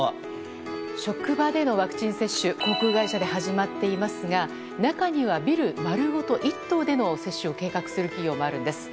職場でのワクチン接種航空会社で始まっていますが中にはビル丸ごと１棟での接種を計画する企業もあるんです。